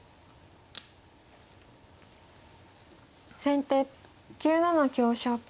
先手９七香車。